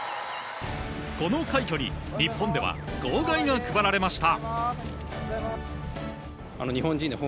この快挙に日本では号外が配られました。